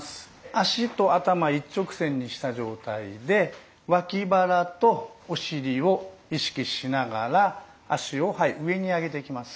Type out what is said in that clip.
脚と頭一直線にした状態でわき腹とお尻を意識しながら脚を上に上げていきます。